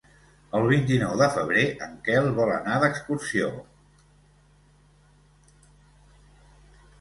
El vint-i-nou de febrer en Quel vol anar d'excursió.